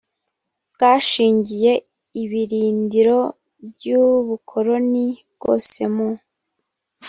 bwashingiye ibirindiro by ubukoroni bwose mu